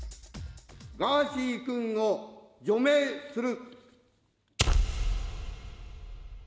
ガーシー君を除名する。